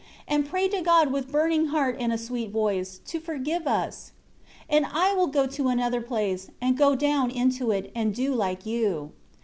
And pray to God with burning heart and a sweet voice, to forgive us. 6 And I will go to another place, and go down into it, and do like you."